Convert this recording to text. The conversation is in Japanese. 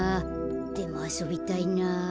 でもあそびたいな。